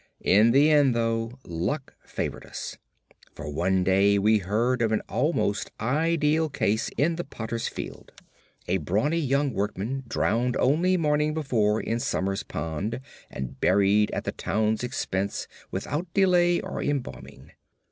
In the end, though, luck favoured us; for one day we heard of an almost ideal case in the potter's field; a brawny young workman drowned only the morning before in Sumner's Pond, and buried at the town's expense without delay or embalming.